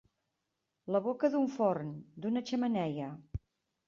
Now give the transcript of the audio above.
La boca d'un forn, d'una xemeneia.